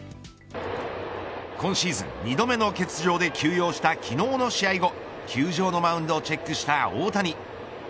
今シーズン２度目の欠場で休養した昨日の試合後球場のマウンドをチェックした大谷。